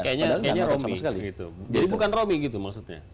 jadi bukan romi gitu maksudnya